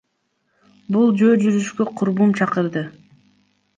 Бул жөө жүрүшкө курбум чакырды.